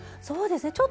そうですね。